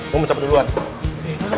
mau mencapai duluan